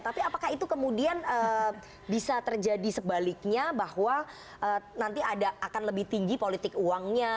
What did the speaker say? tapi apakah itu kemudian bisa terjadi sebaliknya bahwa nanti akan lebih tinggi politik uangnya